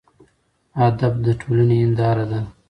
ادب د ټولنې هینداره ده.